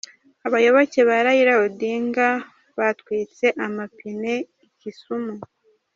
Abayoboke ba Raila Odinga batwitse amapine i Kisumu.